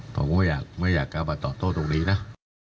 ผมไม่อยากเอามาตอบโต้ตรงนี้นะ